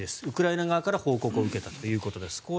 ウクライナ側から報告を受けたということです。